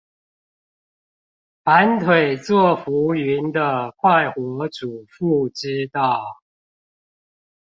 盤腿坐浮雲的快活主婦之道